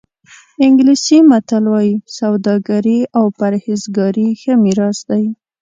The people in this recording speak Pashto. انګلیسي متل وایي سوداګري او پرهېزګاري ښه میراث دی.